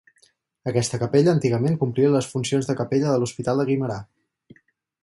Aquesta capella antigament complia les funcions de capella de l'Hospital de Guimerà.